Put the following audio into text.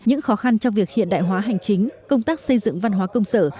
những khó khăn trong việc hiện đại hóa hành chính công tác xây dựng văn hóa công sở